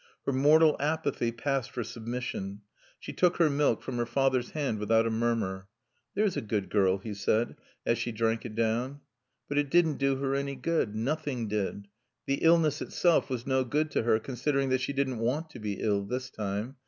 Her mortal apathy passed for submission. She took her milk from her father's hand without a murmur. "There's a good girl," he said, as she drank it down. But it didn't do her any good. Nothing did. The illness itself was no good to her, considering that she didn't want to be ill this time.